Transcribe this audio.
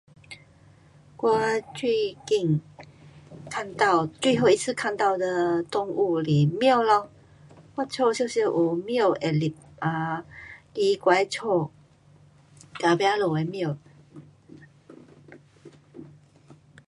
我最後一次看到劝物是猫。